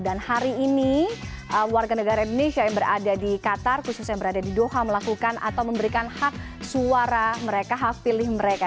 dan hari ini warga negara indonesia yang berada di qatar khusus yang berada di doha melakukan atau memberikan hak suara mereka hak pilih mereka